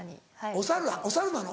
お猿なの？